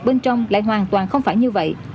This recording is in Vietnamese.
bên trong lại hoàn toàn không phải như vậy